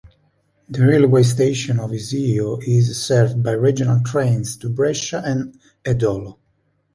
The railway station of Iseo is served by regional trains to Brescia and Edolo.